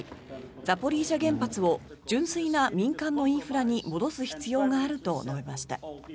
ザポリージャ原発を純粋な民間のインフラに戻す必要があると述べました。